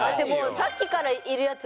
さっきからいるやつ